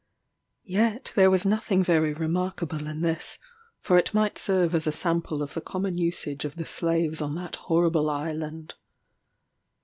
Yet there was nothing very remarkable in this; for it might serve as a sample of the common usage of the slaves on that horrible island.